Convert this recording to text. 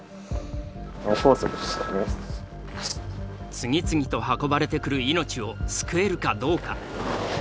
次々と運ばれてくる命を救えるかどうか。